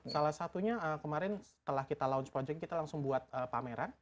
salah satunya kemarin setelah kita launch project kita langsung buat pameran